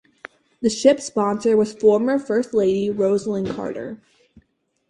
The ship sponsor was former First Lady Rosalynn Carter.